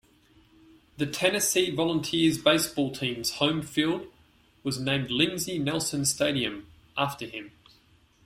The Tennessee Volunteers baseball team's home field was named Lindsey Nelson Stadium after him.